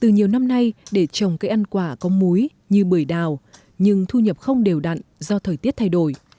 từ nhiều năm nay để trồng cây ăn quả có múi như bưởi đào nhưng thu nhập không đều đặn do thời tiết thay đổi